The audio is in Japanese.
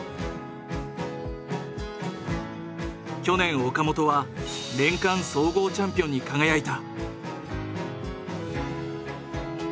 去年岡本は年間総合チャンピオンに輝いた。